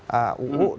dan juga di jawa barat